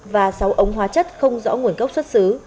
và sáu ống hóa chất không rõ nguồn gốc xuất xứ